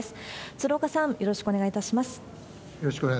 鶴岡さん、よろしくお願いいたします。